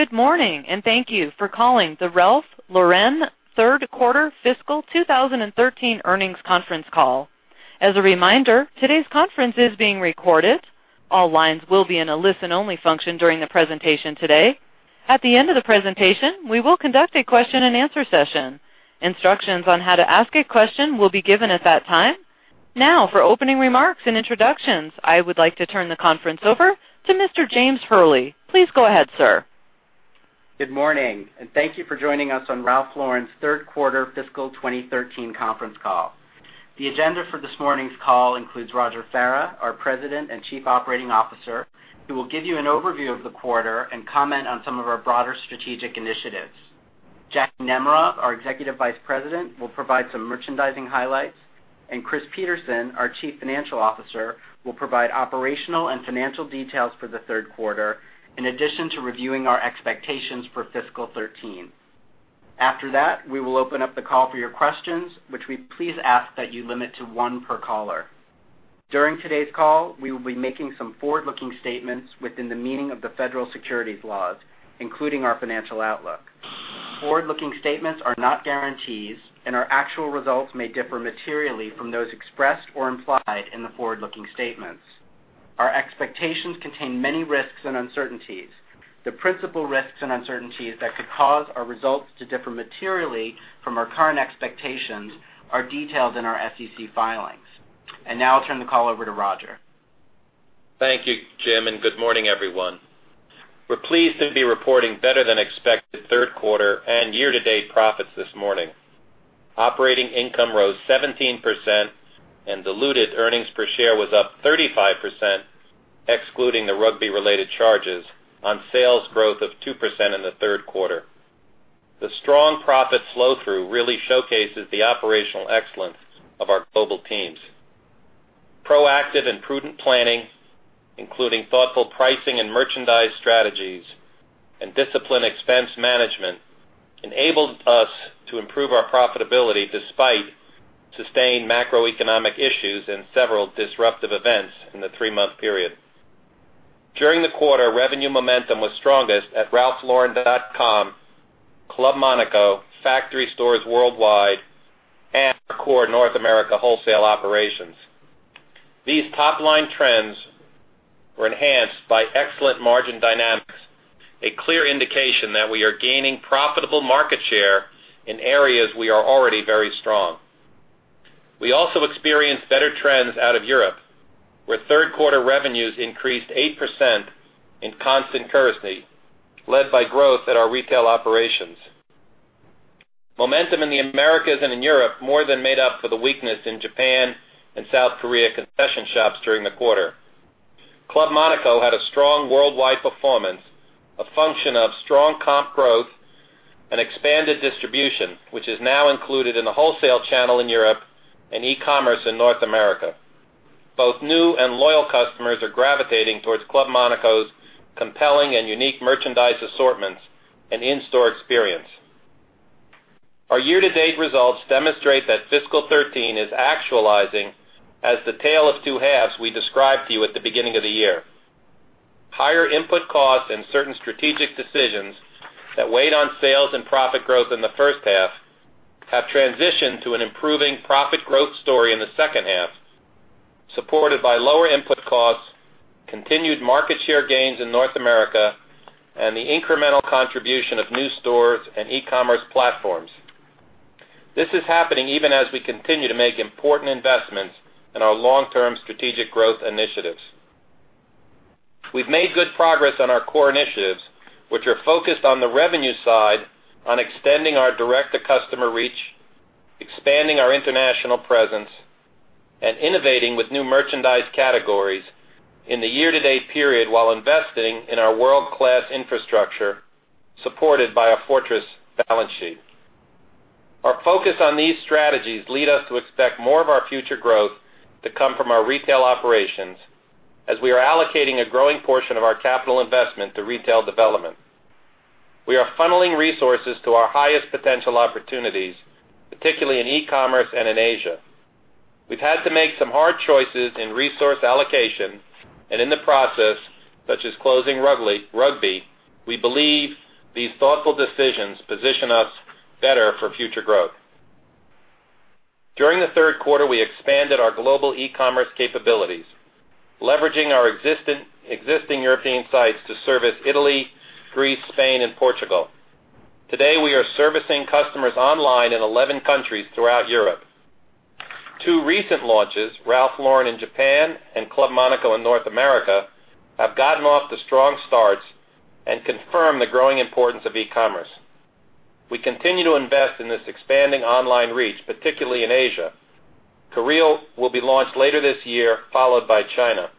Good morning, thank you for calling the Ralph Lauren third quarter fiscal 2013 earnings conference call. As a reminder, today's conference is being recorded. All lines will be in a listen-only function during the presentation today. At the end of the presentation, we will conduct a question and answer session. Instructions on how to ask a question will be given at that time. Now, for opening remarks and introductions, I would like to turn the conference over to Mr. James Hurley. Please go ahead, sir. Good morning, thank you for joining us on Ralph Lauren's third quarter fiscal 2013 conference call. The agenda for this morning's call includes Roger Farah, our President and Chief Operating Officer, who will give you an overview of the quarter and comment on some of our broader strategic initiatives. Jacki Nemerov, our Executive Vice President, will provide some merchandising highlights, Chris Peterson, our Chief Financial Officer, will provide operational and financial details for the third quarter, in addition to reviewing our expectations for fiscal 2013. After that, we will open up the call for your questions, which we please ask that you limit to one per caller. During today's call, we will be making some forward-looking statements within the meaning of the federal securities laws, including our financial outlook. Forward-looking statements are not guarantees, our actual results may differ materially from those expressed or implied in the forward-looking statements. Our expectations contain many risks and uncertainties. The principal risks and uncertainties that could cause our results to differ materially from our current expectations are detailed in our SEC filings. Now I'll turn the call over to Roger. Thank you, Jim, good morning, everyone. We're pleased to be reporting better-than-expected third quarter and year-to-date profits this morning. Operating income rose 17%, diluted earnings per share was up 35%, excluding the Rugby-related charges on sales growth of 2% in the third quarter. The strong profit flow-through really showcases the operational excellence of our global teams. Proactive and prudent planning, including thoughtful pricing and merchandise strategies and disciplined expense management, enabled us to improve our profitability despite sustained macroeconomic issues and several disruptive events in the three-month period. During the quarter, revenue momentum was strongest at ralphlauren.com, Club Monaco, factory stores worldwide, and our core North America wholesale operations. These top-line trends were enhanced by excellent margin dynamics, a clear indication that we are gaining profitable market share in areas we are already very strong. We also experienced better trends out of Europe, where third-quarter revenues increased 8% in constant currency, led by growth at our retail operations. Momentum in the Americas and in Europe more than made up for the weakness in Japan and South Korea concession shops during the quarter. Club Monaco had a strong worldwide performance, a function of strong comp growth and expanded distribution, which is now included in the wholesale channel in Europe and e-commerce in North America. Both new and loyal customers are gravitating towards Club Monaco's compelling and unique merchandise assortments and in-store experience. Our year-to-date results demonstrate that fiscal 2013 is actualizing as the tale of two halves we described to you at the beginning of the year. Higher input costs and certain strategic decisions that weighed on sales and profit growth in the first half have transitioned to an improving profit growth story in the second half, supported by lower input costs, continued market share gains in North America, and the incremental contribution of new stores and e-commerce platforms. This is happening even as we continue to make important investments in our long-term strategic growth initiatives. We've made good progress on our core initiatives, which are focused on the revenue side on extending our direct-to-customer reach, expanding our international presence, and innovating with new merchandise categories in the year-to-date period, while investing in our world-class infrastructure, supported by a fortress balance sheet. Our focus on these strategies lead us to expect more of our future growth to come from our retail operations, as we are allocating a growing portion of our capital investment to retail development. We are funneling resources to our highest potential opportunities, particularly in e-commerce and in Asia. We've had to make some hard choices in resource allocation and in the process, such as closing Rugby, we believe these thoughtful decisions position us better for future growth. During the third quarter, we expanded our global e-commerce capabilities, leveraging our existing European sites to service Italy, Greece, Spain, and Portugal. Today, we are servicing customers online in 11 countries throughout Europe. Two recent launches, Ralph Lauren in Japan and Club Monaco in North America, have gotten off to strong starts and confirm the growing importance of e-commerce. We continue to invest in this expanding online reach, particularly in Asia. Korea will be launched later this year, followed by China.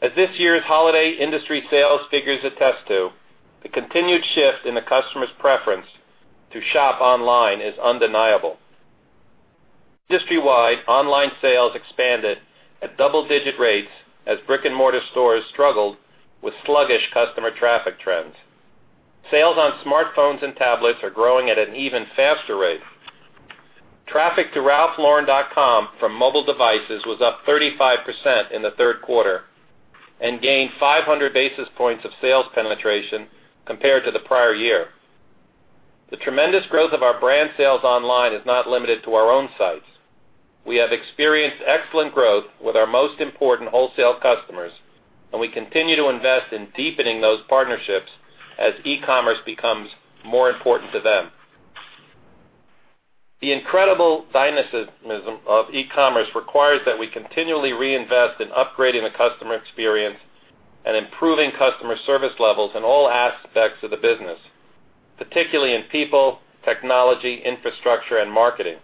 As this year's holiday industry sales figures attest to, the continued shift in the customer's preference to shop online is undeniable. Industry-wide, online sales expanded at double-digit rates as brick-and-mortar stores struggled with sluggish customer traffic trends. Sales on smartphones and tablets are growing at an even faster rate. Traffic to ralphlauren.com from mobile devices was up 35% in the third quarter and gained 500 basis points of sales penetration compared to the prior year. The tremendous growth of our brand sales online is not limited to our own sites. We have experienced excellent growth with our most important wholesale customers, and we continue to invest in deepening those partnerships as e-commerce becomes more important to them. The incredible dynamism of e-commerce requires that we continually reinvest in upgrading the customer experience and improving customer service levels in all aspects of the business, particularly in people, technology, infrastructure, and marketing.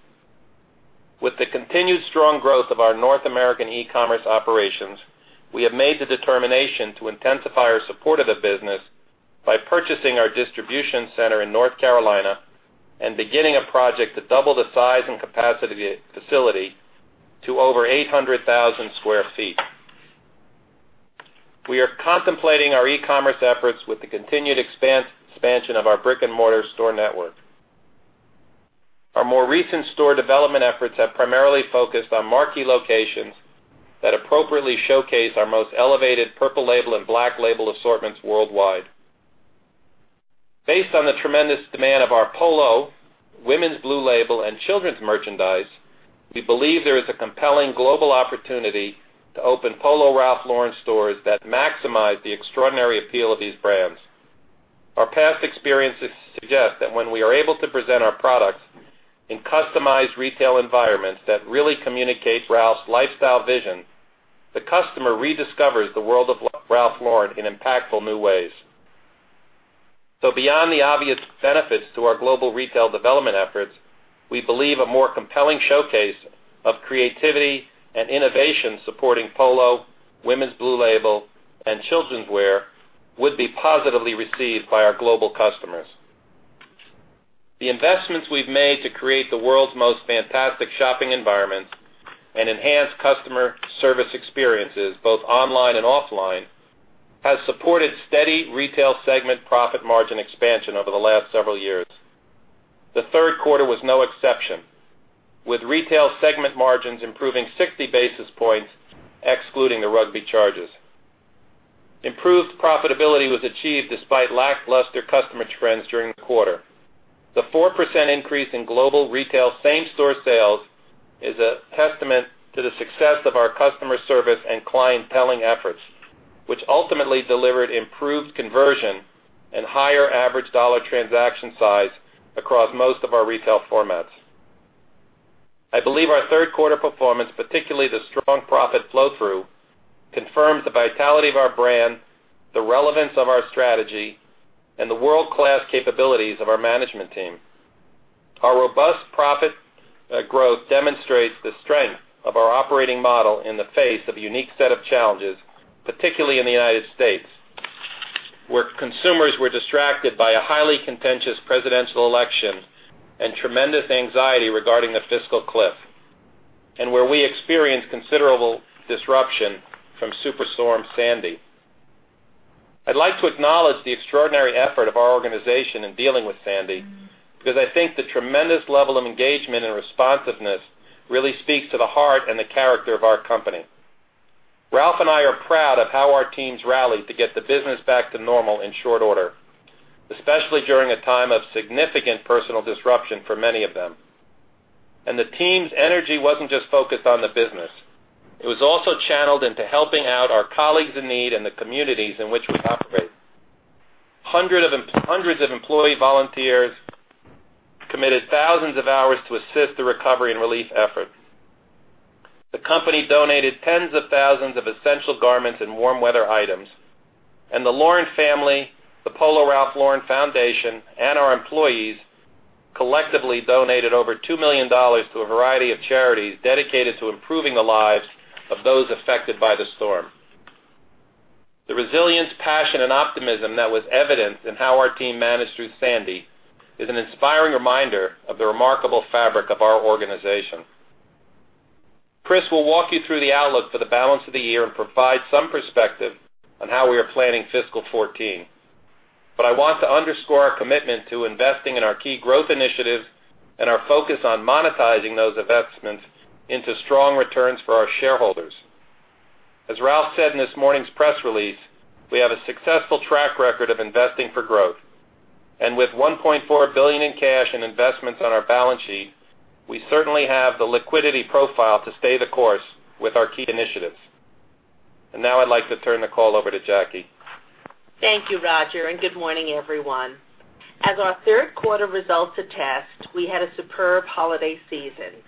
With the continued strong growth of our North American e-commerce operations, we have made the determination to intensify our support of the business by purchasing our distribution center in North Carolina and beginning a project to double the size and capacity of the facility to over 800,000 square feet. We are contemplating our e-commerce efforts with the continued expansion of our brick-and-mortar store network. Our more recent store development efforts have primarily focused on marquee locations that appropriately showcase our most elevated Purple Label and Black Label assortments worldwide. Based on the tremendous demand of our Polo, Women's Blue Label, and children's merchandise, we believe there is a compelling global opportunity to open Polo Ralph Lauren stores that maximize the extraordinary appeal of these brands. Our past experiences suggest that when we are able to present our products in customized retail environments that really communicate Ralph's lifestyle vision, the customer rediscovers the world of Ralph Lauren in impactful new ways. Beyond the obvious benefits to our global retail development efforts, we believe a more compelling showcase of creativity and innovation supporting Polo, Women's Blue Label, and Childrenswear would be positively received by our global customers. The investments we've made to create the world's most fantastic shopping environments and enhance customer service experiences, both online and offline, has supported steady retail segment profit margin expansion over the last several years. The third quarter was no exception, with retail segment margins improving 60 basis points excluding the Rugby charges. Improved profitability was achieved despite lackluster customer trends during the quarter. The 4% increase in global retail same-store sales is a testament to the success of our customer service and clienteling efforts, which ultimately delivered improved conversion and higher average dollar transaction size across most of our retail formats. I believe our third quarter performance, particularly the strong profit flow-through, confirms the vitality of our brand, the relevance of our strategy, and the world-class capabilities of our management team. Our robust profit growth demonstrates the strength of our operating model in the face of a unique set of challenges, particularly in the U.S., where consumers were distracted by a highly contentious presidential election and tremendous anxiety regarding the fiscal cliff, and where we experienced considerable disruption from Superstorm Sandy. I'd like to acknowledge the extraordinary effort of our organization in dealing with Sandy because I think the tremendous level of engagement and responsiveness really speaks to the heart and the character of our company. Ralph and I are proud of how our teams rallied to get the business back to normal in short order, especially during a time of significant personal disruption for many of them. The team's energy wasn't just focused on the business. It was also channeled into helping out our colleagues in need in the communities in which we operate. Hundreds of employee volunteers committed thousands of hours to assist the recovery and relief efforts. The company donated tens of thousands of essential garments and warm-weather items. The Lauren family, The Ralph Lauren Corporate Foundation, and our employees collectively donated over $2 million to a variety of charities dedicated to improving the lives of those affected by the storm. The resilience, passion, and optimism that was evident in how our team managed through Sandy is an inspiring reminder of the remarkable fabric of our organization. Chris will walk you through the outlook for the balance of the year and provide some perspective on how we are planning fiscal 2014. I want to underscore our commitment to investing in our key growth initiatives and our focus on monetizing those investments into strong returns for our shareholders. As Ralph said in this morning's press release, we have a successful track record of investing for growth. With $1.4 billion in cash and investments on our balance sheet, we certainly have the liquidity profile to stay the course with our key initiatives. Now I'd like to turn the call over to Jacki. Thank you, Roger, and good morning, everyone. As our third quarter results attest, we had a superb holiday season.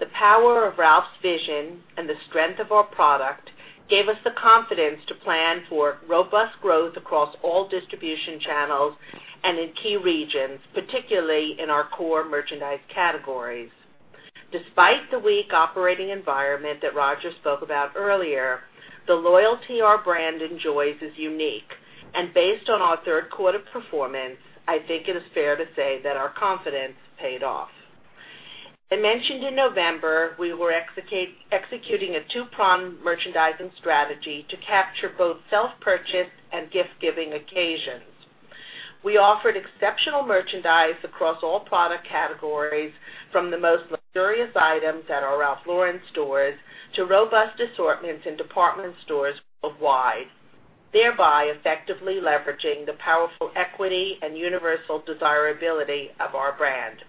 The power of Ralph's vision and the strength of our product gave us the confidence to plan for robust growth across all distribution channels and in key regions, particularly in our core merchandise categories. Despite the weak operating environment that Roger spoke about earlier, the loyalty our brand enjoys is unique. Based on our third quarter performance, I think it is fair to say that our confidence paid off. I mentioned in November we were executing a two-pronged merchandising strategy to capture both self-purchase and gift-giving occasions. We offered exceptional merchandise across all product categories, from the most luxurious items at our Ralph Lauren stores to robust assortments in department stores worldwide, thereby effectively leveraging the powerful equity and universal desirability of our brand.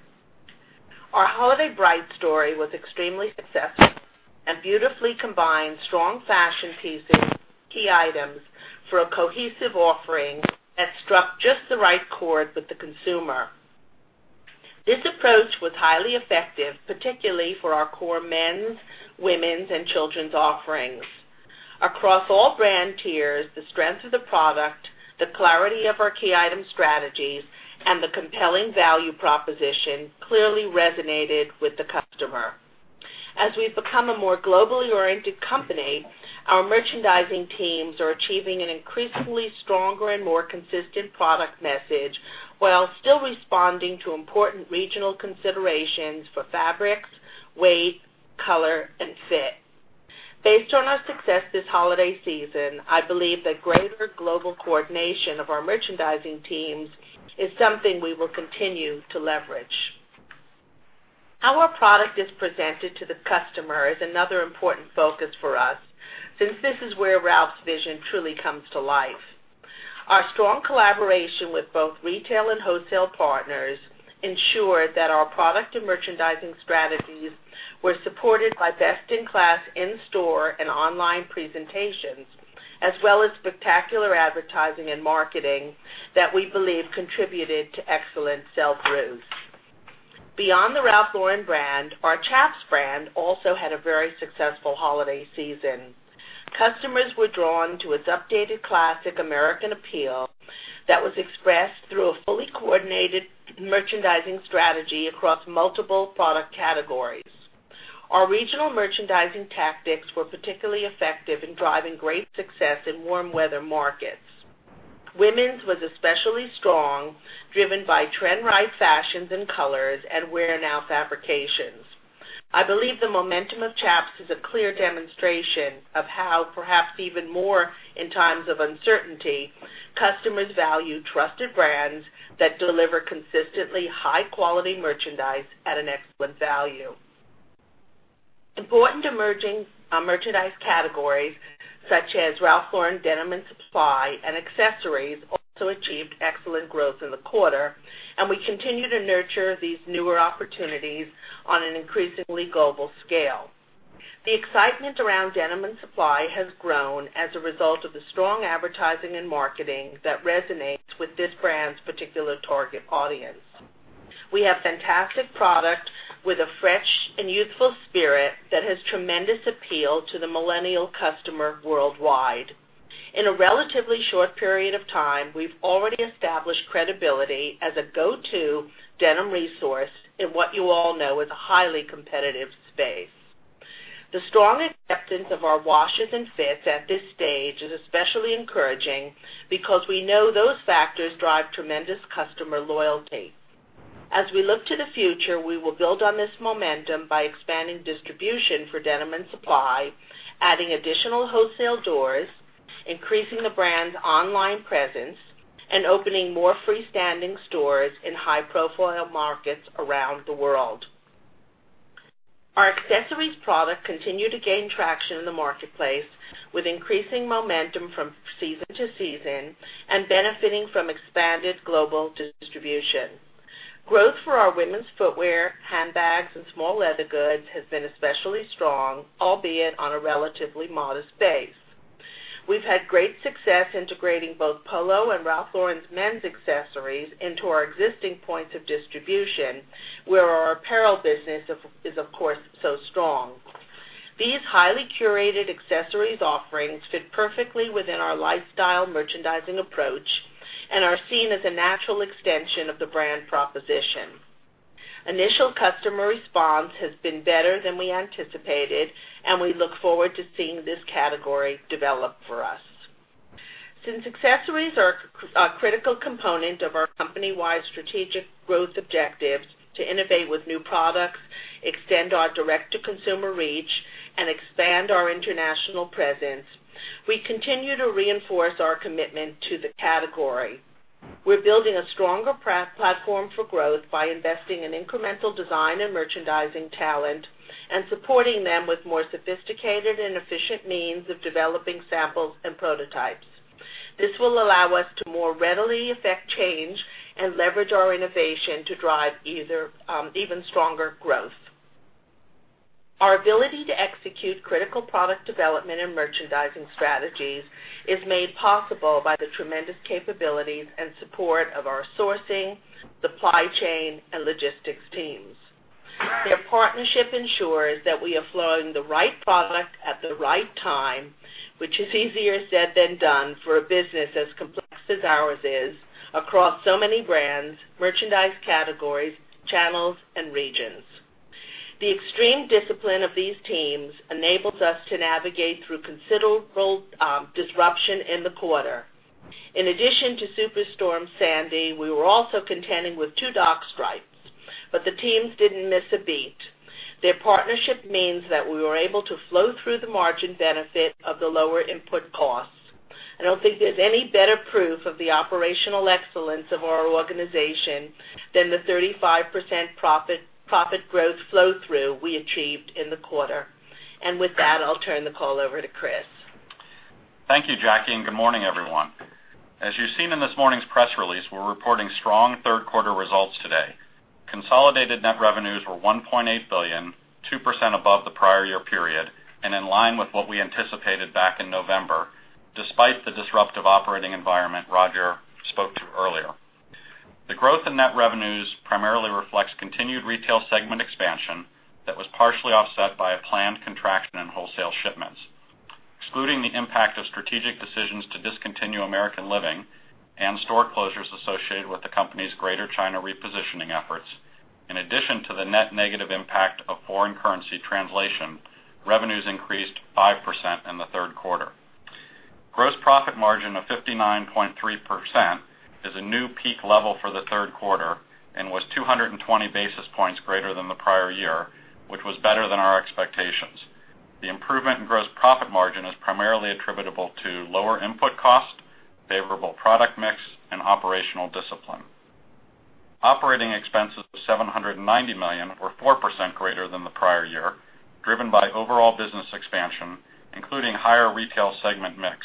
Our Holiday Brights story was extremely successful and beautifully combined strong fashion pieces, key items for a cohesive offering that struck just the right chord with the consumer. This approach was highly effective, particularly for our core men's, women's, and children's offerings. Across all brand tiers, the strength of the product, the clarity of our key item strategies, and the compelling value proposition clearly resonated with the customer. As we've become a more globally-oriented company, our merchandising teams are achieving an increasingly stronger and more consistent product message while still responding to important regional considerations for fabrics, weight, color, and fit. Based on our success this holiday season, I believe that greater global coordination of our merchandising teams is something we will continue to leverage. How our product is presented to the customer is another important focus for us since this is where Ralph's vision truly comes to life. Our strong collaboration with both retail and wholesale partners ensured that our product and merchandising strategies were supported by best-in-class in-store and online presentations, as well as spectacular advertising and marketing that we believe contributed to excellent sales growth. Beyond the Ralph Lauren brand, our Chaps brand also had a very successful holiday season. Customers were drawn to its updated classic American appeal that was expressed through a fully coordinated merchandising strategy across multiple product categories. Our regional merchandising tactics were particularly effective in driving great success in warm weather markets. Women's was especially strong, driven by trend-right fashions and colors, and wear-now fabrications. I believe the momentum of Chaps is a clear demonstration of how, perhaps even more in times of uncertainty, customers value trusted brands that deliver consistently high-quality merchandise at an excellent value. Important emerging merchandise categories such as Ralph Lauren Denim & Supply and accessories also achieved excellent growth in the quarter. We continue to nurture these newer opportunities on an increasingly global scale. The excitement around Denim & Supply has grown as a result of the strong advertising and marketing that resonates with this brand's particular target audience. We have fantastic product with a fresh and youthful spirit that has tremendous appeal to the millennial customer worldwide. In a relatively short period of time, we've already established credibility as a go-to denim resource in what you all know is a highly competitive space. The strong acceptance of our washes and fits at this stage is especially encouraging because we know those factors drive tremendous customer loyalty. As we look to the future, we will build on this momentum by expanding distribution for Denim & Supply, adding additional wholesale doors, increasing the brand's online presence, and opening more freestanding stores in high-profile markets around the world. Our accessories product continued to gain traction in the marketplace, with increasing momentum from season to season and benefiting from expanded global distribution. Growth for our women's footwear, handbags, and small leather goods has been especially strong, albeit on a relatively modest base. We've had great success integrating both Polo and Ralph Lauren's men's accessories into our existing points of distribution, where our apparel business is, of course, so strong. These highly curated accessories offerings fit perfectly within our lifestyle merchandising approach and are seen as a natural extension of the brand proposition. Initial customer response has been better than we anticipated. We look forward to seeing this category develop for us. Since accessories are a critical component of our company-wide strategic growth objectives to innovate with new products, extend our direct-to-consumer reach, and expand our international presence, we continue to reinforce our commitment to the category. We're building a stronger platform for growth by investing in incremental design and merchandising talent and supporting them with more sophisticated and efficient means of developing samples and prototypes. This will allow us to more readily affect change and leverage our innovation to drive even stronger growth. Our ability to execute critical product development and merchandising strategies is made possible by the tremendous capabilities and support of our sourcing, supply chain, and logistics teams. Their partnership ensures that we are flowing the right product at the right time, which is easier said than done for a business as complex as ours is across so many brands, merchandise categories, channels, and regions. The extreme discipline of these teams enables us to navigate through considerable disruption in the quarter. In addition to Superstorm Sandy, we were also contending with 2 dock strikes. The teams didn't miss a beat. Their partnership means that we were able to flow through the margin benefit of the lower input costs. I don't think there's any better proof of the operational excellence of our organization than the 35% profit growth flow-through we achieved in the quarter. With that, I'll turn the call over to Chris Peterson. Thank you, Jacki Nemrov, good morning, everyone. As you've seen in this morning's press release, we're reporting strong third-quarter results today. Consolidated net revenues were $1.8 billion, 2% above the prior year period, in line with what we anticipated back in November, despite the disruptive operating environment Roger Farah spoke to earlier. The growth in net revenues primarily reflects continued retail segment expansion that was partially offset by a planned contraction in wholesale shipments. Excluding the impact of strategic decisions to discontinue American Living and store closures associated with the company's Greater China repositioning efforts, in addition to the net negative impact of foreign currency translation, revenues increased 5% in the third quarter. Gross profit margin of 59.3% is a new peak level for the third quarter and was 220 basis points greater than the prior year, which was better than our expectations. The improvement in gross profit margin is primarily attributable to lower input cost, favorable product mix, and operational discipline. Operating expenses of $790 million were 4% greater than the prior year, driven by overall business expansion, including higher retail segment mix,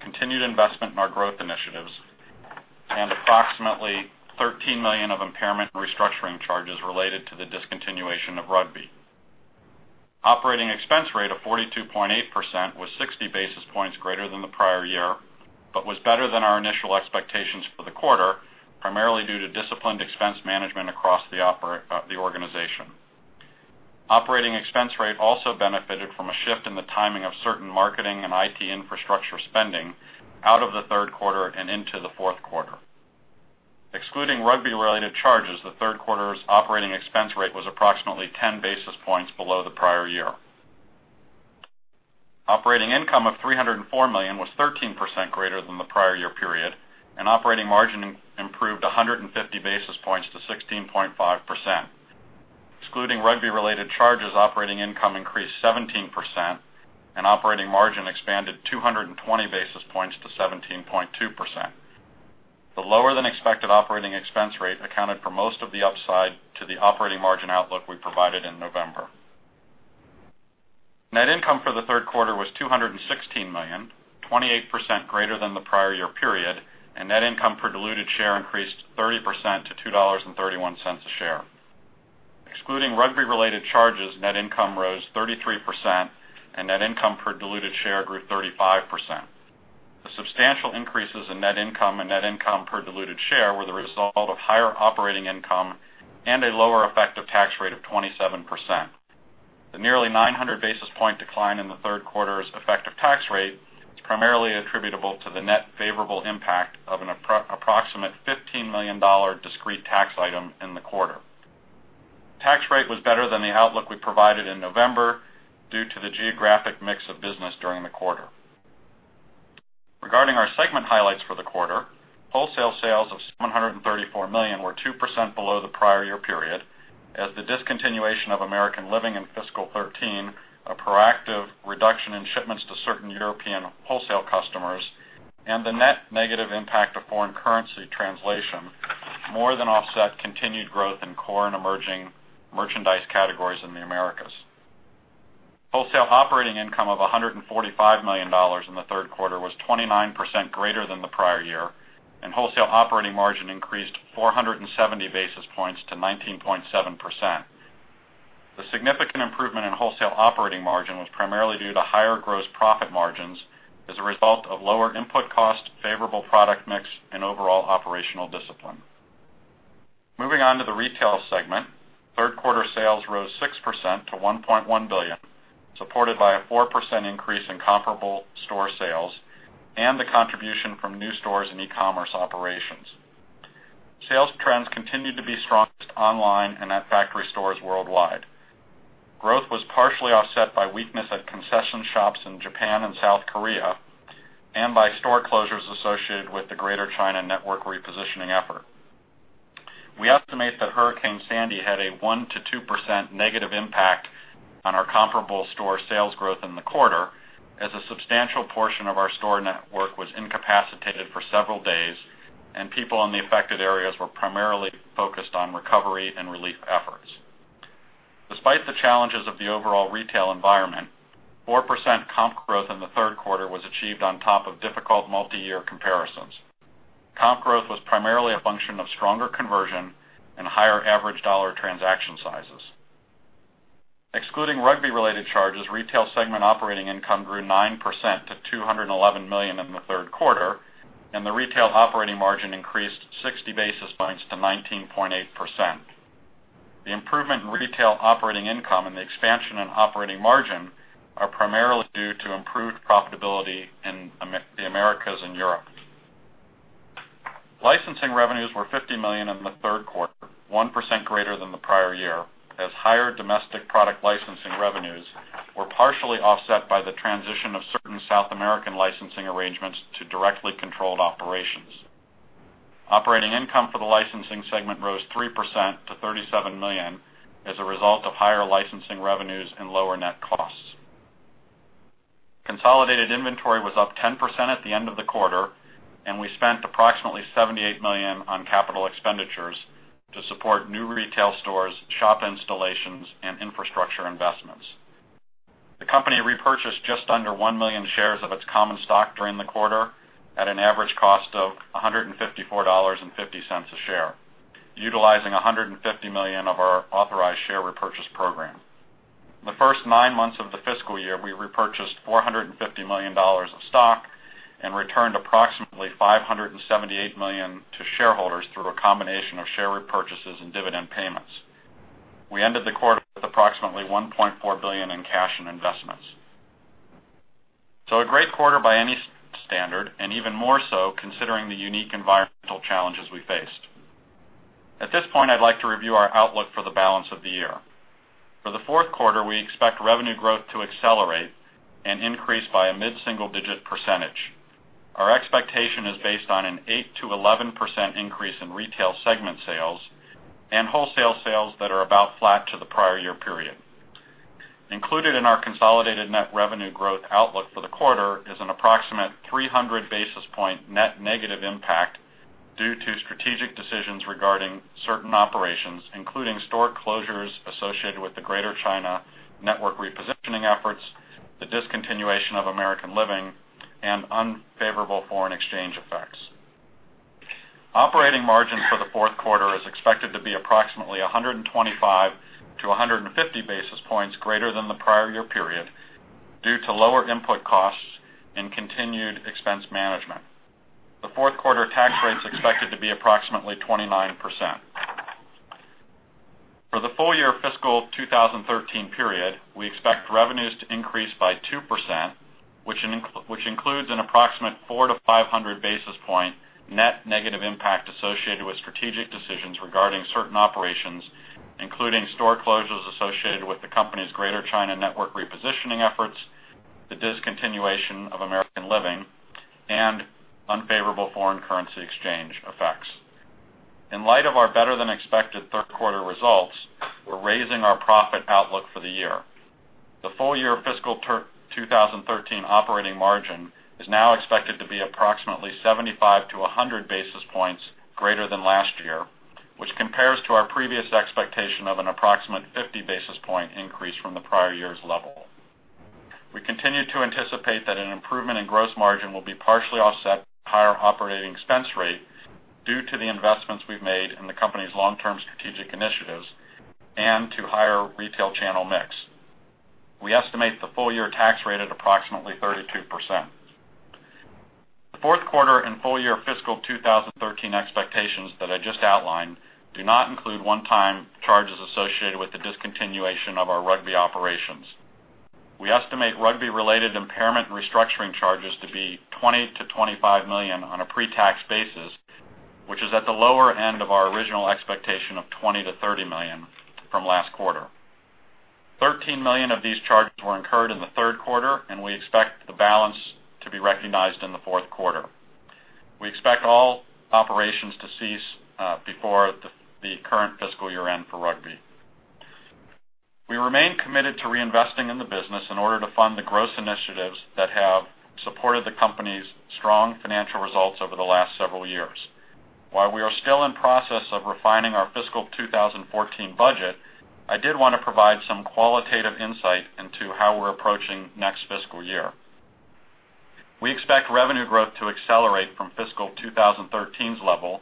continued investment in our growth initiatives, and approximately $13 million of impairment and restructuring charges related to the discontinuation of Rugby Ralph Lauren. Operating expense rate of 42.8% was 60 basis points greater than the prior year, was better than our initial expectations for the quarter, primarily due to disciplined expense management across the organization. Operating expense rate also benefited from a shift in the timing of certain marketing and IT infrastructure spending out of the third quarter and into the fourth quarter. Excluding Rugby Ralph Lauren-related charges, the third quarter's operating expense rate was approximately 10 basis points below the prior year. Operating income of $304 million was 13% greater than the prior year period, operating margin improved 150 basis points to 16.5%. Excluding Rugby Ralph Lauren-related charges, operating income increased 17%, operating margin expanded 220 basis points to 17.2%. The lower-than-expected operating expense rate accounted for most of the upside to the operating margin outlook we provided in November. Net income for the third quarter was $216 million, 28% greater than the prior year period, net income per diluted share increased 30% to $2.31 a share. Excluding Rugby Ralph Lauren-related charges, net income rose 33%, net income per diluted share grew 35%. The substantial increases in net income and net income per diluted share were the result of higher operating income and a lower effective tax rate of 27%. The nearly 900 basis point decline in the third quarter's effective tax rate is primarily attributable to the net favorable impact of an approximate $15 million discrete tax item in the quarter. Tax rate was better than the outlook we provided in November due to the geographic mix of business during the quarter. Regarding our segment highlights for the quarter, wholesale sales of $734 million were 2% below the prior year period, as the discontinuation of American Living in fiscal 2013, a proactive reduction in shipments to certain European wholesale customers, and the net negative impact of foreign currency translation more than offset continued growth in core and emerging merchandise categories in the Americas. Wholesale operating income of $145 million in the third quarter was 29% greater than the prior year, and wholesale operating margin increased 470 basis points to 19.7%. The significant improvement in wholesale operating margin was primarily due to higher gross profit margins as a result of lower input cost, favorable product mix, and overall operational discipline. Moving on to the retail segment, third-quarter sales rose 6% to $1.1 billion, supported by a 4% increase in comparable store sales and the contribution from new stores and e-commerce operations. Sales trends continued to be strongest online and at factory stores worldwide. Growth was partially offset by weakness at concession shops in Japan and South Korea and by store closures associated with the Greater China network repositioning effort. We estimate that Hurricane Sandy had a 1%-2% negative impact on our comparable store sales growth in the quarter, as a substantial portion of our store network was incapacitated for several days, and people in the affected areas were primarily focused on recovery and relief efforts. Despite the challenges of the overall retail environment, 4% comp growth in the third quarter was achieved on top of difficult multi-year comparisons. Comp growth was primarily a function of stronger conversion and higher average dollar transaction sizes. Excluding Rugby-related charges, retail segment operating income grew 9% to $211 million in the third quarter, and the retail operating margin increased 60 basis points to 19.8%. The improvement in retail operating income and the expansion in operating margin are primarily due to improved profitability in the Americas and Europe. Licensing revenues were $50 million in the third quarter, 1% greater than the prior year, as higher domestic product licensing revenues were partially offset by the transition of certain South American licensing arrangements to directly controlled operations. Operating income for the licensing segment rose 3% to $37 million as a result of higher licensing revenues and lower net costs. Consolidated inventory was up 10% at the end of the quarter, and we spent approximately $78 million on capital expenditures to support new retail stores, shop installations, and infrastructure investments. The company repurchased just under one million shares of its common stock during the quarter at an average cost of $154.50 a share, utilizing $150 million of our authorized share repurchase program. In the first nine months of the fiscal year, we repurchased $450 million of stock and returned approximately $578 million to shareholders through a combination of share repurchases and dividend payments. We ended the quarter with approximately $1.4 billion in cash and investments. A great quarter by any standard, and even more so considering the unique environmental challenges we faced. At this point, I'd like to review our outlook for the balance of the year. For the fourth quarter, we expect revenue growth to accelerate and increase by a mid-single-digit percentage. Our expectation is based on an 8%-11% increase in retail segment sales and wholesale sales that are about flat to the prior year period. Included in our consolidated net revenue growth outlook for the quarter is an approximate 300-basis-point net negative impact due to strategic decisions regarding certain operations, including store closures associated with the Greater China network repositioning efforts, the discontinuation of American Living, and unfavorable foreign exchange effects. Operating margin for the fourth quarter is expected to be approximately 125 to 150 basis points greater than the prior year period due to lower input costs and continued expense management. The fourth quarter tax rate is expected to be approximately 29%. For the full year fiscal 2013 period, we expect revenues to increase by 2%, which includes an approximate 400 to 500 basis point net negative impact associated with strategic decisions regarding certain operations, including store closures associated with the company's Greater China network repositioning efforts, the discontinuation of American Living, and unfavorable foreign currency exchange effects. In light of our better-than-expected third quarter results, we're raising our profit outlook for the year. The full-year fiscal 2013 operating margin is now expected to be approximately 75 to 100 basis points greater than last year, which compares to our previous expectation of an approximate 50-basis-point increase from the prior year's level. We continue to anticipate that an improvement in gross margin will be partially offset by a higher operating expense rate due to the investments we've made in the company's long-term strategic initiatives and to higher retail channel mix. We estimate the full-year tax rate at approximately 32%. The fourth quarter and full-year fiscal 2013 expectations that I just outlined do not include one-time charges associated with the discontinuation of our Rugby operations. We estimate Rugby-related impairment and restructuring charges to be $20 million-$25 million on a pre-tax basis, which is at the lower end of our original expectation of $20 million-$30 million from last quarter. $13 million of these charges were incurred in the third quarter, and we expect the balance to be recognized in the fourth quarter. We expect all operations to cease before the current fiscal year-end for Rugby. We remain committed to reinvesting in the business in order to fund the growth initiatives that have supported the company's strong financial results over the last several years. While I are still in process of refining our fiscal 2014 budget, I did want to provide some qualitative insight into how we're approaching next fiscal year. We expect revenue growth to accelerate from fiscal 2013's level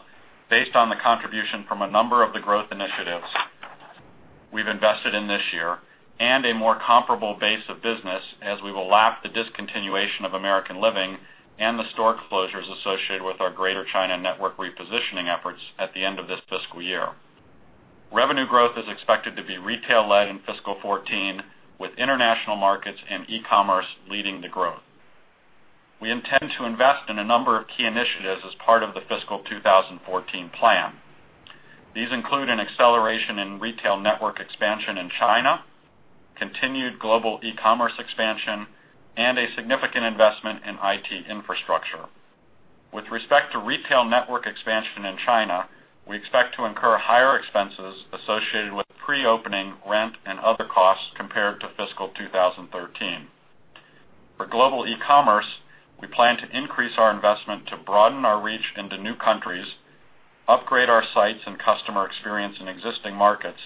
based on the contribution from a number of the growth initiatives we've invested in this year and a more comparable base of business as we will lap the discontinuation of American Living and the store closures associated with our Greater China network repositioning efforts at the end of this fiscal year. Revenue growth is expected to be retail-led in fiscal 2014, with international markets and e-commerce leading the growth. We intend to invest in a number of key initiatives as part of the fiscal 2014 plan. These include an acceleration in retail network expansion in China, continued global e-commerce expansion, and a significant investment in IT infrastructure. With respect to retail network expansion in China, we expect to incur higher expenses associated with pre-opening rent and other costs compared to fiscal 2013. For global e-commerce, we plan to increase our investment to broaden our reach into new countries, upgrade our sites and customer experience in existing markets,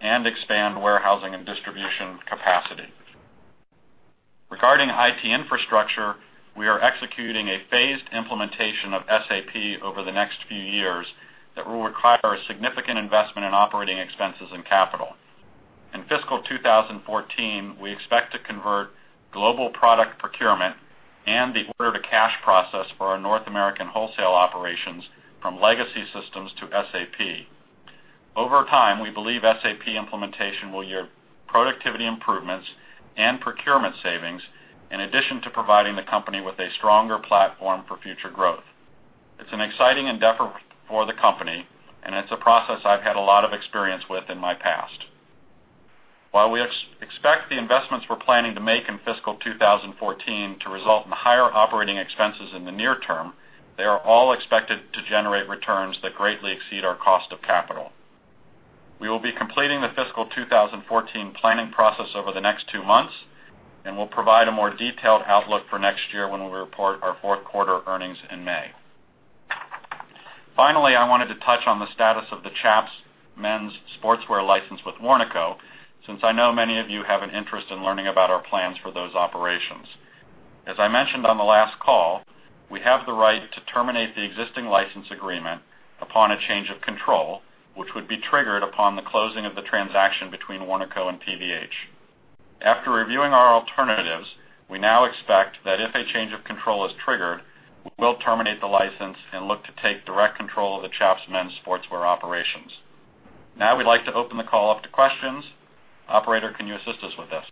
and expand warehousing and distribution capacity. Regarding IT infrastructure, we are executing a phased implementation of SAP over the next few years that will require a significant investment in operating expenses and capital. In fiscal 2014, we expect to convert global product procurement and the order-to-cash process for our North American wholesale operations from legacy systems to SAP. Over time, we believe SAP implementation will yield productivity improvements and procurement savings, in addition to providing the company with a stronger platform for future growth. It's an exciting endeavor for the company, and it's a process I've had a lot of experience with in my past. While we expect the investments we're planning to make in fiscal 2014 to result in higher operating expenses in the near term, they are all expected to generate returns that greatly exceed our cost of capital. We will be completing the fiscal 2014 planning process over the next two months, and we'll provide a more detailed outlook for next year when we report our fourth quarter earnings in May. Finally, I wanted to touch on the status of the Chaps men's sportswear license with Warnaco, since I know many of you have an interest in learning about our plans for those operations. As I mentioned on the last call, we have the right to terminate the existing license agreement upon a change of control, which would be triggered upon the closing of the transaction between Warnaco and PVH. After reviewing our alternatives, we now expect that if a change of control is triggered, we will terminate the license and look to take direct control of the Chaps men's sportswear operations. We'd like to open the call up to questions. Operator, can you assist us with this?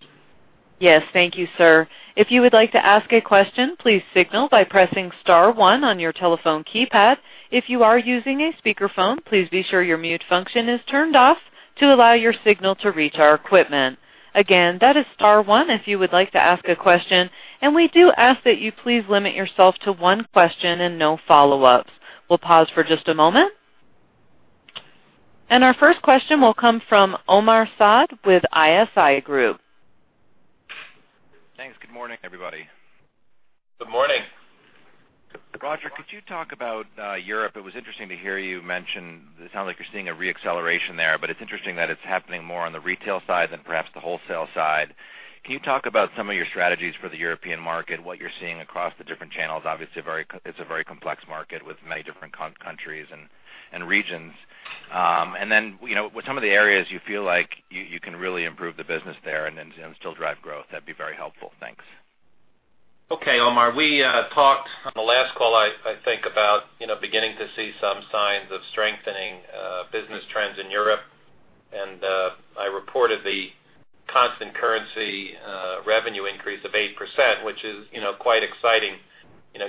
Yes. Thank you, sir. If you would like to ask a question, please signal by pressing star one on your telephone keypad. If you are using a speakerphone, please be sure your mute function is turned off to allow your signal to reach our equipment. Again, that is star one if you would like to ask a question, and we do ask that you please limit yourself to one question and no follow-ups. We'll pause for just a moment. Our first question will come from Omar Saad with ISI Group. Thanks. Good morning, everybody. Good morning. Roger, could you talk about Europe? It was interesting to hear you mention, it sounds like you're seeing a re-acceleration there. It's interesting that it's happening more on the retail side than perhaps the wholesale side. Can you talk about some of your strategies for the European market, what you're seeing across the different channels? Obviously, it's a very complex market with many different countries and regions. With some of the areas you feel like you can really improve the business there and then still drive growth. That'd be very helpful. Thanks. Okay, Omar. We talked on the last call, I think, about beginning to see some signs of strengthening business trends in Europe. I reported the constant currency revenue increase of 8%, which is quite exciting,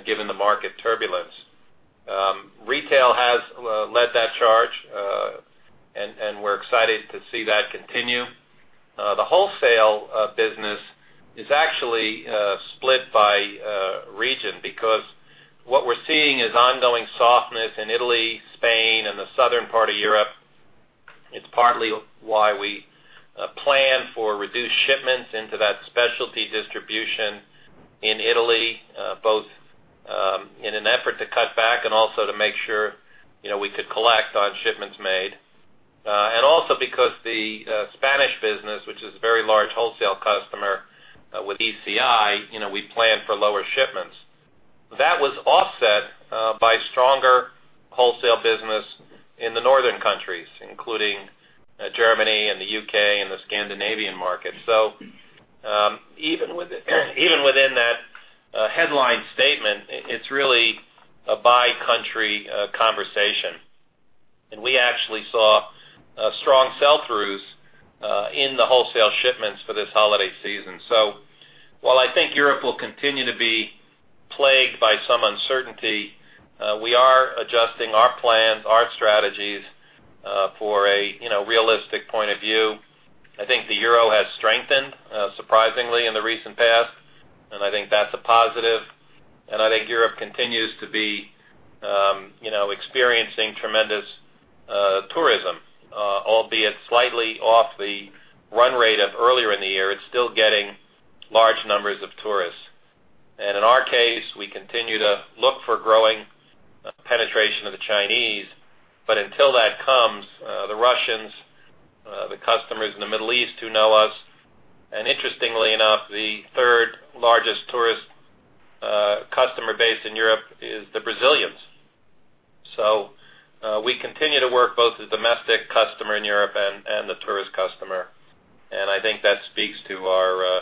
given the market turbulence. Retail has led that charge, and we're excited to see that continue. The wholesale business is actually split by region because what we're seeing is ongoing softness in Italy, Spain, and the southern part of Europe. It's partly why we plan for reduced shipments into that specialty distribution in Italy, both in an effort to cut back and also to make sure we could collect on shipments made. Also because the Spanish business, which is a very large wholesale customer with ECI, we plan for lower shipments. That was offset by stronger wholesale business in the northern countries, including Germany and the U.K. and the Scandinavian market. Even within that headline statement, it's really a by-country conversation. We actually saw strong sell-throughs in the wholesale shipments for this holiday season. While I think Europe will continue to be plagued by some uncertainty, we are adjusting our plans, our strategies, for a realistic point of view. I think the euro has strengthened, surprisingly, in the recent past, I think that's a positive. I think Europe continues to be experiencing tremendous tourism, albeit slightly off the run rate of earlier in the year. It's still getting large numbers of tourists. In our case, we continue to look for growing penetration of the Chinese. Until that comes, the Russians, the customers in the Middle East who know us. Interestingly enough, the third largest tourist customer base in Europe is the Brazilians. We continue to work both the domestic customer in Europe and the tourist customer. I think that speaks to our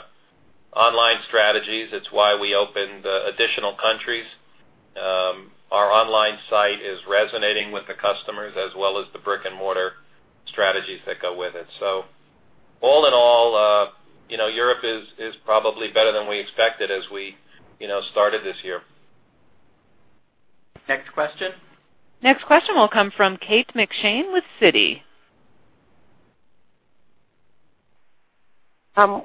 online strategies. It's why we opened additional countries. Our online site is resonating with the customers as well as the brick-and-mortar strategies that go with it. All in all, Europe is probably better than we expected as we started this year. Next question. Next question will come from Kate McShane with Citi.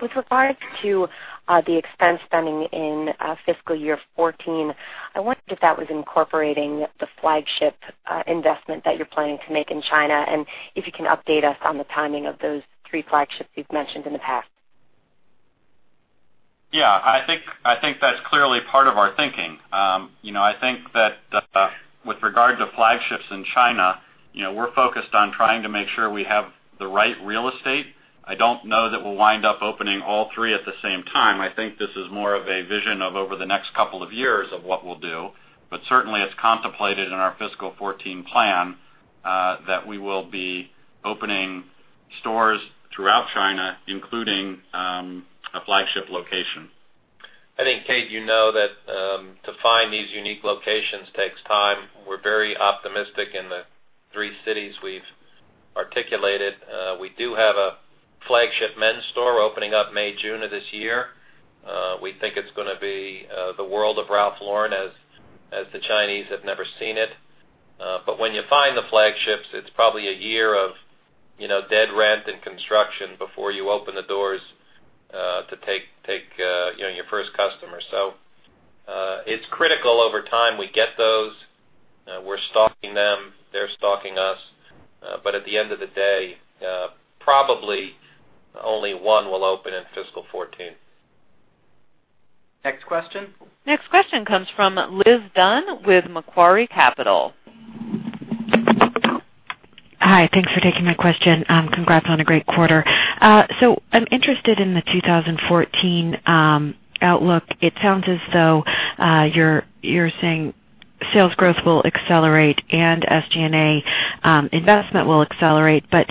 With regards to the expense spending in fiscal year 2014, I wonder if that was incorporating the flagship investment that you're planning to make in China, and if you can update us on the timing of those three flagships you've mentioned in the past. Yeah, I think that's clearly part of our thinking. I think that with regard to flagships in China, we're focused on trying to make sure we have the right real estate. I don't know that we'll wind up opening all three at the same time. I think this is more of a vision of over the next couple of years of what we'll do. Certainly, it's contemplated in our fiscal 2014 plan that we will be opening stores throughout China, including a flagship location. I think, Kate, you know that to find these unique locations takes time. We're very optimistic in the three cities we've articulated. We do have a flagship men's store opening up May, June of this year. We think it's going to be the world of Ralph Lauren as the Chinese have never seen it. When you find the flagships, it's probably a year of dead rent and construction before you open the doors to take your first customer. It's critical over time we get those. We're stalking them, they're stalking us. At the end of the day, probably only one will open in fiscal 2014. Next question. Next question comes from Liz Dunn with Macquarie Capital. Hi. Thanks for taking my question. Congrats on a great quarter. I'm interested in the 2014 outlook. It sounds as though you're saying sales growth will accelerate and SG&A investment will accelerate, but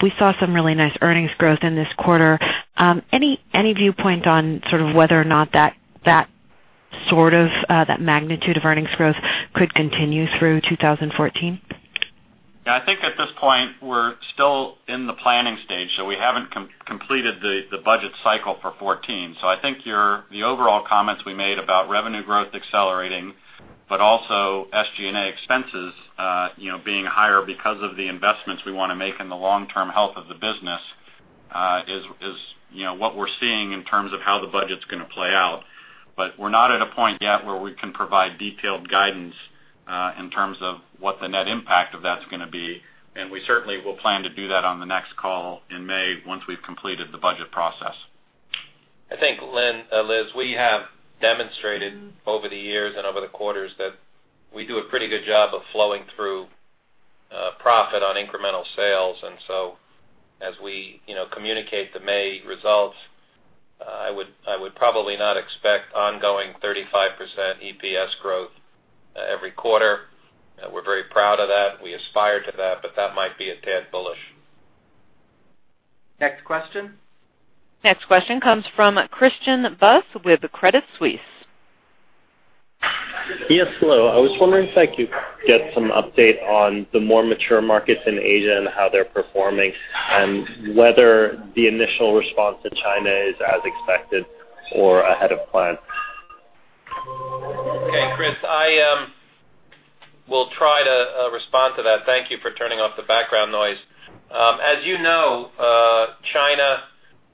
we saw some really nice earnings growth in this quarter. Any viewpoint on sort of whether or not that sort of magnitude of earnings growth could continue through 2014? Yeah, I think at this point, we're still in the planning stage, so we haven't completed the budget cycle for 2014. I think the overall comments we made about revenue growth accelerating, but also SG&A expenses being higher because of the investments we want to make in the long-term health of the business, is what we're seeing in terms of how the budget's going to play out. We're not at a point yet where we can provide detailed guidance, in terms of what the net impact of that's going to be. We certainly will plan to do that on the next call in May once we've completed the budget process. I think, Liz, we have demonstrated over the years and over the quarters that we do a pretty good job of flowing through profit on incremental sales. As we communicate the May results, I would probably not expect ongoing 35% EPS growth every quarter. We're very proud of that. We aspire to that might be a tad bullish. Next question comes from Christian Buss with Credit Suisse. Yes. Hello. I was wondering if I could get some update on the more mature markets in Asia and how they're performing, whether the initial response to China is as expected or ahead of plan. Okay. Chris, I will try to respond to that. Thank you for turning off the background noise. As you know, China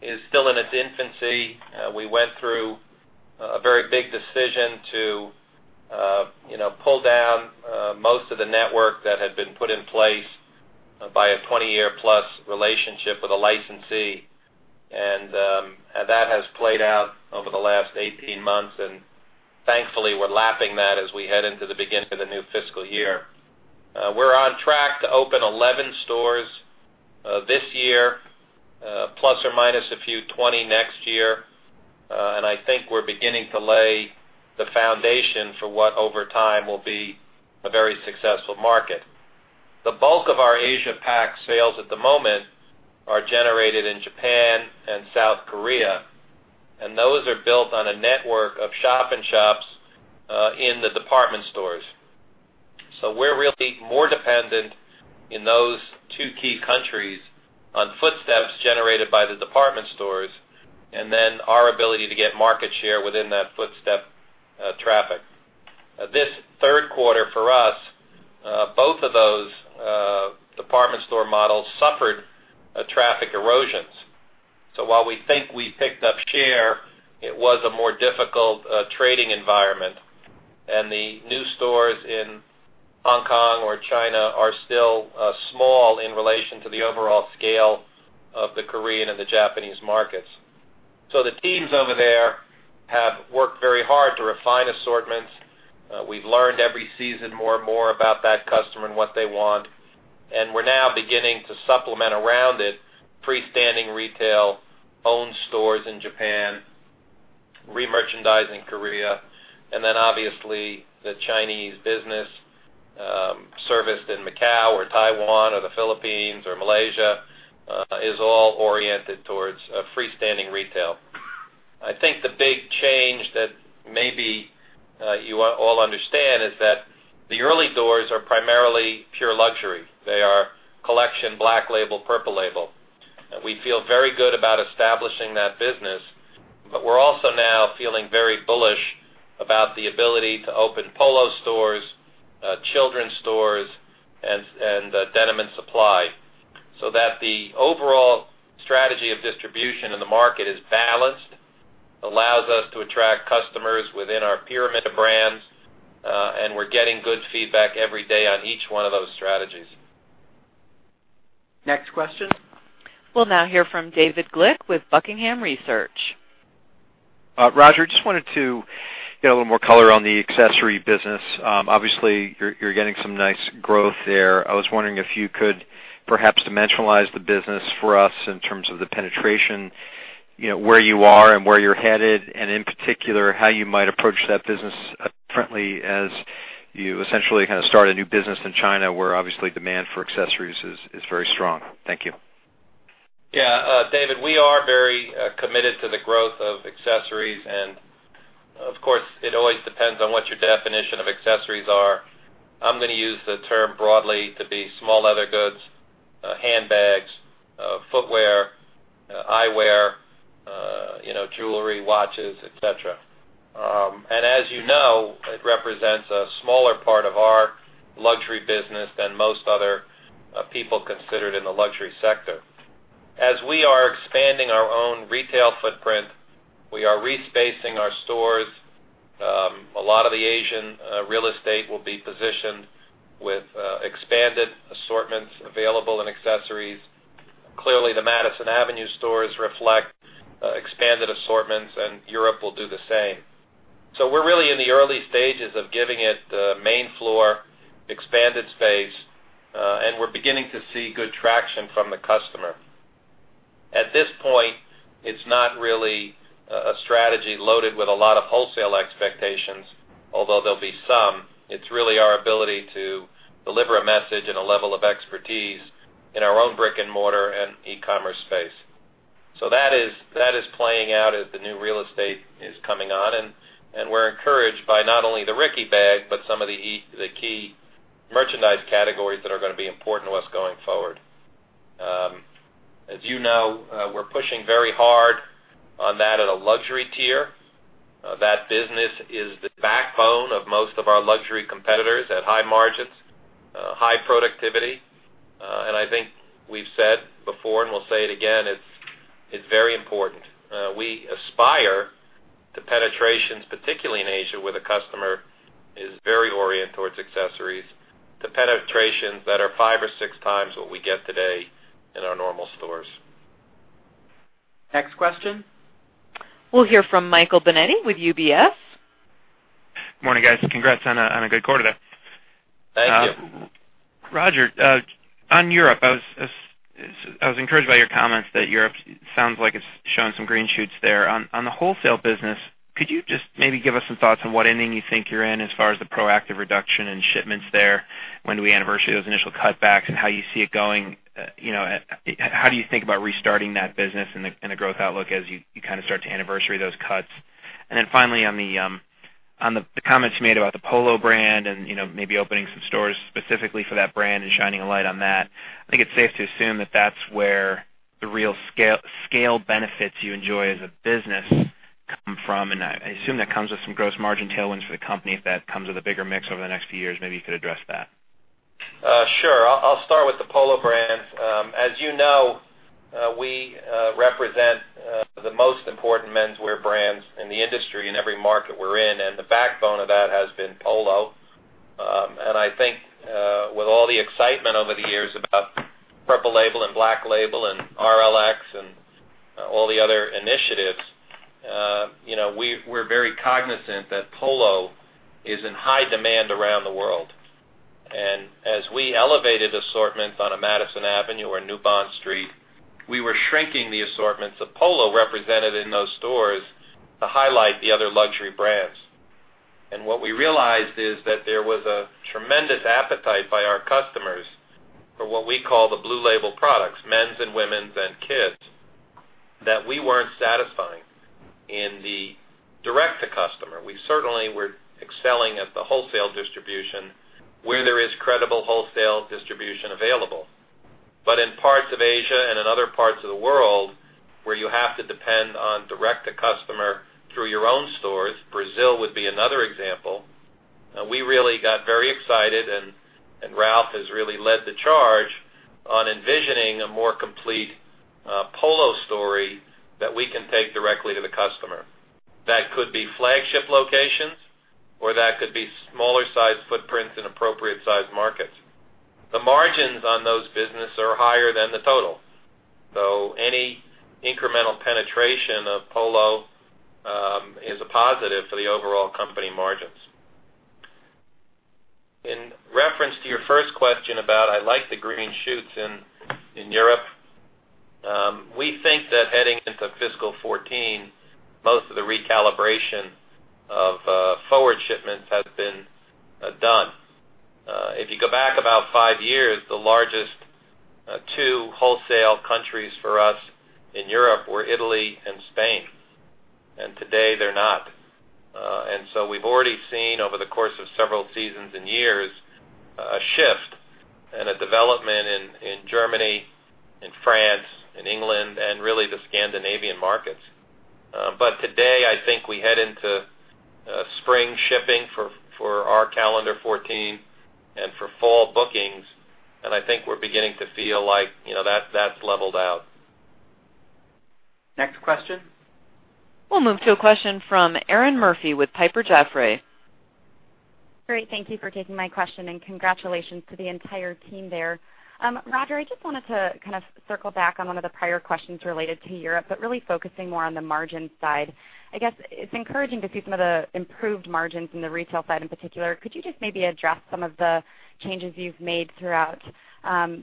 is still in its infancy. We went through a very big decision to pull down most of the network that had been put in place by a 20-year plus relationship with a licensee, that has played out over the last 18 months, thankfully, we're lapping that as we head into the beginning of the new fiscal year. We're on track to open 11 stores this year, plus or minus a few, 20 next year. I think we're beginning to lay the foundation for what over time will be a very successful market. The bulk of our Asia Pac sales at the moment are generated in Japan and South Korea, those are built on a network of shop and shops in the department stores. We're really more dependent in those two key countries on footsteps generated by the department stores, and then our ability to get market share within that footstep traffic. This third quarter for us, both of those department store models suffered traffic erosions. While we think we picked up share, it was a more difficult trading environment. The new stores in Hong Kong or China are still small in relation to the overall scale of the Korean and the Japanese markets. The teams over there have worked very hard to refine assortments. We've learned every season more and more about that customer and what they want, and we're now beginning to supplement around it freestanding retail, owned stores in Japan, remerchandising Korea, obviously the Chinese business serviced in Macau or Taiwan or the Philippines or Malaysia, is all oriented towards freestanding retail. I think the big change that maybe you all understand is that the early doors are primarily pure luxury. They are collection Black Label, Purple Label. We feel very good about establishing that business, but we're also now feeling very bullish about the ability to open Polo stores, children's stores, and Denim & Supply. That the overall strategy of distribution in the market is balanced, allows us to attract customers within our pyramid of brands, and we're getting good feedback every day on each one of those strategies. Next question. We'll now hear from David Glick with Buckingham Research. Roger, just wanted to get a little more color on the accessory business. Obviously, you're getting some nice growth there. I was wondering if you could perhaps dimensionalize the business for us in terms of the penetration, where you are and where you're headed, and in particular, how you might approach that business differently as you essentially kind of start a new business in China, where obviously demand for accessories is very strong. Thank you. David, we are very committed to the growth of accessories. Of course, it always depends on what your definition of accessories are. I'm going to use the term broadly to be small leather goods, handbags. Watches, et cetera. As you know, it represents a smaller part of our luxury business than most other people considered in the luxury sector. As we are expanding our own retail footprint, we are re-spacing our stores. A lot of the Asian real estate will be positioned with expanded assortments available and accessories. Clearly, the Madison Avenue stores reflect expanded assortments, and Europe will do the same. We're really in the early stages of giving it main floor expanded space, and we're beginning to see good traction from the customer. At this point, it's not really a strategy loaded with a lot of wholesale expectations, although there'll be some. It's really our ability to deliver a message and a level of expertise in our own brick-and-mortar and e-commerce space. That is playing out as the new real estate is coming on, and we're encouraged by not only the Ricky bag, but some of the key merchandise categories that are going to be important to us going forward. As you know, we're pushing very hard on that at a luxury tier. That business is the backbone of most of our luxury competitors at high margins, high productivity. I think we've said before, and we'll say it again, it's very important. We aspire to penetrations, particularly in Asia, where the customer is very oriented towards accessories, to penetrations that are five or six times what we get today in our normal stores. Next question. We'll hear from Michael Binetti with UBS. Morning, guys. Congrats on a good quarter there. Thank you. Roger, on Europe, I was encouraged by your comments that Europe sounds like it's showing some green shoots there. On the wholesale business, could you just maybe give us some thoughts on what inning you think you're in as far as the proactive reduction in shipments there, when do we anniversary those initial cutbacks and how you see it going? How do you think about restarting that business and the growth outlook as you kind of start to anniversary those cuts? Finally, on the comments you made about the Polo brand and maybe opening some stores specifically for that brand and shining a light on that, I think it's safe to assume that's where the real scale benefits you enjoy as a business come from, and I assume that comes with some gross margin tailwinds for the company. If that comes with a bigger mix over the next few years, maybe you could address that. Sure. I'll start with the Polo brand. As you know, we represent the most important menswear brands in the industry in every market we're in, and the backbone of that has been Polo. I think with all the excitement over the years about Purple Label and Black Label and RLX and all the other initiatives, we're very cognizant that Polo is in high demand around the world. As we elevated assortments on a Madison Avenue or New Bond Street, we were shrinking the assortments that Polo represented in those stores to highlight the other luxury brands. What we realized is that there was a tremendous appetite by our customers for what we call the Blue Label products, men's and women's and kids, that we weren't satisfying in the direct-to-customer. We certainly were excelling at the wholesale distribution where there is credible wholesale distribution available. In parts of Asia and in other parts of the world where you have to depend on direct-to-customer through your own stores, Brazil would be another example, we really got very excited, and Ralph has really led the charge on envisioning a more complete Polo story that we can take directly to the customer. That could be flagship locations, or that could be smaller size footprints in appropriate size markets. The margins on those business are higher than the total. Any incremental penetration of Polo is a positive for the overall company margins. In reference to your first question about I like the green shoots in Europe, we think that heading into fiscal 2014, most of the recalibration of forward shipments has been done. If you go back about five years, the largest two wholesale countries for us in Europe were Italy and Spain, and today they're not. We've already seen over the course of several seasons and years, a shift and a development in Germany, in France, in England, and really the Scandinavian markets. Today, I think we head into spring shipping for our calendar 2014 and for fall bookings, and I think we're beginning to feel like that's leveled out. Next question. We'll move to a question from Erinn Murphy with Piper Jaffray. Great. Thank you for taking my question, and congratulations to the entire team there. Roger, I just wanted to kind of circle back on one of the prior questions related to Europe, but really focusing more on the margin side. I guess it's encouraging to see some of the improved margins in the retail side in particular. Could you just maybe address some of the changes you've made throughout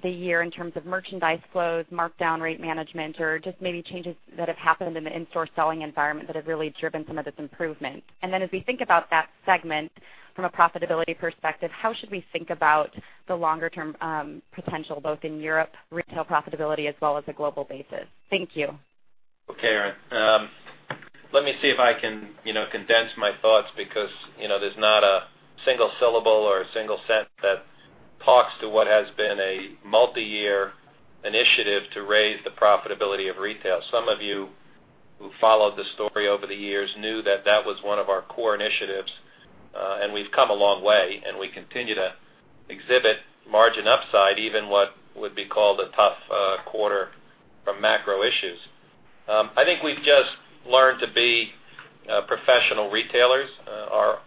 the year in terms of merchandise flows, markdown rate management, or just maybe changes that have happened in the in-store selling environment that have really driven some of this improvement? Then as we think about that segment from a profitability perspective, how should we think about the longer-term potential, both in Europe retail profitability as well as a global basis? Thank you. Okay, Erin. Let me see if I can condense my thoughts because there's not a single syllable or a single sentence that talks to what has been a multi-year initiative to raise the profitability of retail. Some of you who followed the story over the years knew that that was one of our core initiatives, and we've come a long way, and we continue to exhibit margin upside, even what would be called a tough quarter from macro issues. I think we've just learned to be professional retailers. Our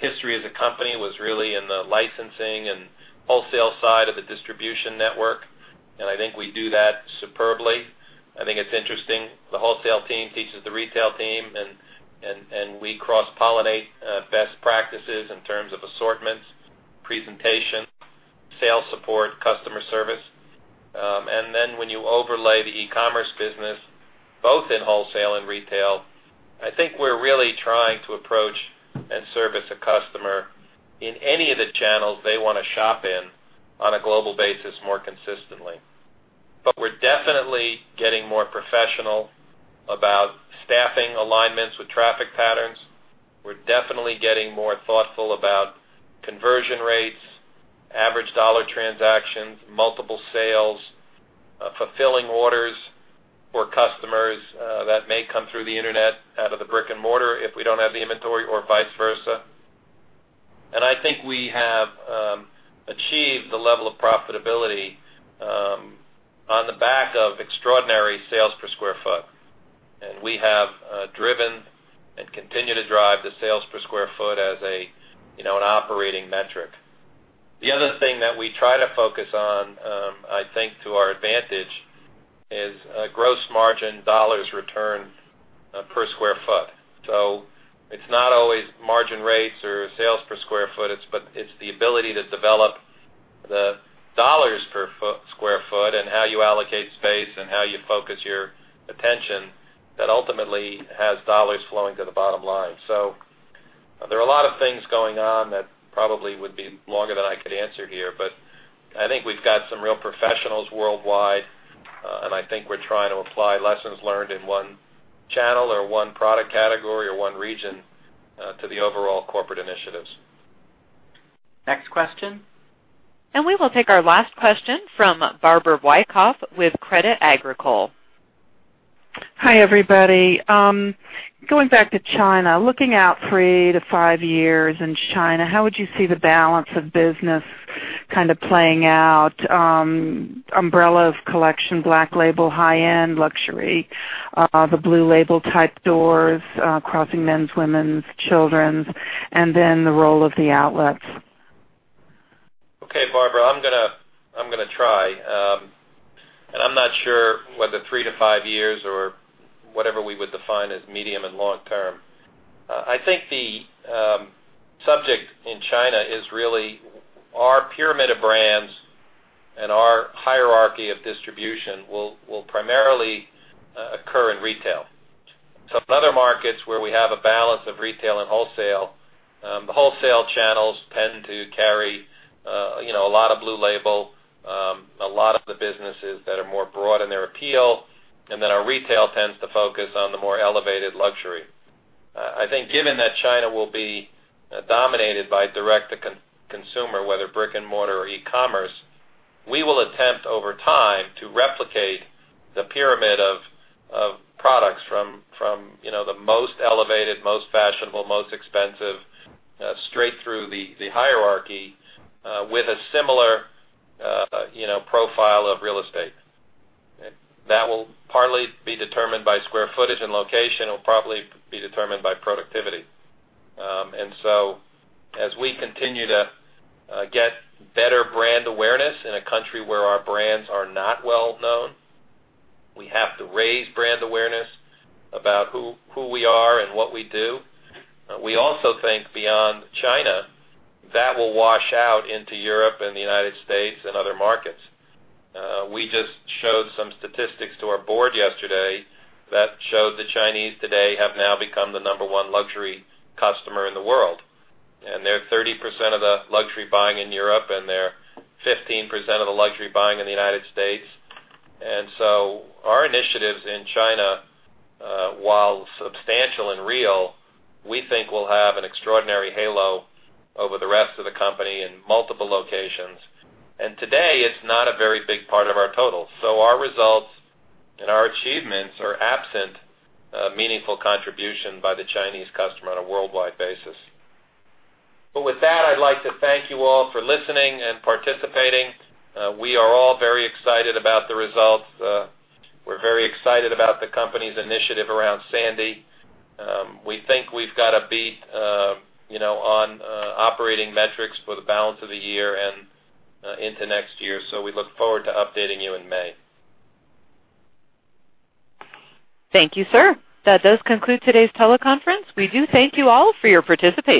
history as a company was really in the licensing and wholesale side of the distribution network, and I think we do that superbly. I think it's interesting. The wholesale team teaches the retail team, and we cross-pollinate best practices in terms of assortments, presentation, sales support, customer service. When you overlay the e-commerce business, both in wholesale and retail, I think we're really trying to approach and service a customer in any of the channels they want to shop in on a global basis more consistently. We're definitely getting more professional about staffing alignments with traffic patterns. We're definitely getting more thoughtful about conversion rates, average dollar transactions, multiple sales, fulfilling orders for customers that may come through the Internet out of the brick and mortar if we don't have the inventory or vice versa. I think we have achieved the level of profitability on the back of extraordinary sales per square foot. We have driven and continue to drive the sales per square foot as an operating metric. The other thing that we try to focus on, I think to our advantage, is gross margin dollars returned per square foot. It's not always margin rates or sales per square foot, but it's the ability to develop the dollars per square foot and how you allocate space and how you focus your attention that ultimately has dollars flowing to the bottom line. There are a lot of things going on that probably would be longer than I could answer here, but I think we've got some real professionals worldwide, and I think we're trying to apply lessons learned in one channel or one product category or one region to the overall corporate initiatives. Next question. We will take our last question from Barbara Wyckoff with Credit Agricole. Hi, everybody. Going back to China, looking out three to five years in China, how would you see the balance of business kind of playing out? Umbrella of collection, Black Label, high-end luxury, the Blue Label-type doors, crossing men's, women's, children's, and then the role of the outlets. Okay, Barbara, I'm going to try. I'm not sure whether three to five years or whatever we would define as medium and long-term. I think the subject in China is really our pyramid of brands and our hierarchy of distribution will primarily occur in retail. In other markets where we have a balance of retail and wholesale, the wholesale channels tend to carry a lot of Blue Label, a lot of the businesses that are more broad in their appeal, and then our retail tends to focus on the more elevated luxury. I think given that China will be dominated by direct-to-consumer, whether brick and mortar or e-commerce, we will attempt over time to replicate the pyramid of products from the most elevated, most fashionable, most expensive straight through the hierarchy with a similar profile of real estate. That will partly be determined by square footage and location. It will probably be determined by productivity. As we continue to get better brand awareness in a country where our brands are not well known, we have to raise brand awareness about who we are and what we do. We also think beyond China, that will wash out into Europe and the United States and other markets. We just showed some statistics to our board yesterday that showed the Chinese today have now become the number 1 luxury customer in the world. They're 30% of the luxury buying in Europe, and they're 15% of the luxury buying in the United States. Our initiatives in China, while substantial and real, we think will have an extraordinary halo over the rest of the company in multiple locations. Today, it's not a very big part of our total. Our results and our achievements are absent meaningful contribution by the Chinese customer on a worldwide basis. With that, I'd like to thank you all for listening and participating. We are all very excited about the results. We're very excited about the company's initiative around Sandy. We think we've got a beat on operating metrics for the balance of the year and into next year. We look forward to updating you in May. Thank you, sir. That does conclude today's teleconference. We do thank you all for your participation.